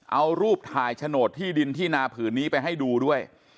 เอารูปถ่ายโฉนดที่ดินที่นาผืนนี้ไปให้ดูด้วย